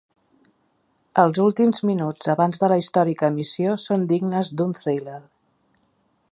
Els últims minuts abans de la històrica emissió són dignes d'un thriller.